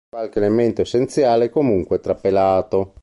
Qualche elemento essenziale è comunque trapelato.